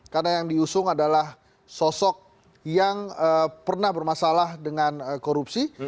karena yang diusung adalah sosok yang pernah bermasalah dengan korupsi